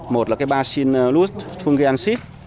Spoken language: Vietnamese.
một là bacillus thungiensis